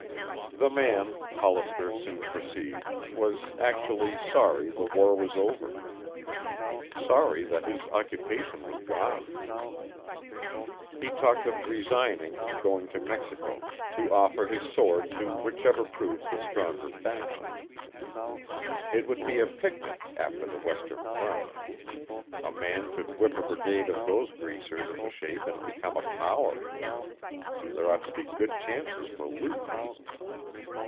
The man, Hollister soon perceived, was actually sorry the war was over, sorry that his occupation was gone. He talked of resigning and going to Mexico, to offer his sword to whichever proved the stronger faction. It would be a picnic after the Western Front. A man could whip a brigade of those greasers into shape and become a power. There ought to be good chances for loot.